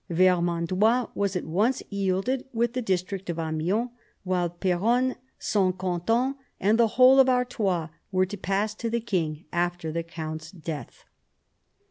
Vermandois was at once yielded, with the district of Amiens, while Peronne, S. Quentin, and the whole of Artois were to pass to the king after the count's death.